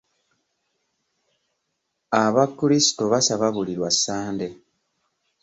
Abakrisito basaba buli lwa Sande.